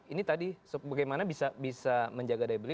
ini tadi bagaimana bisa menjaga daya beli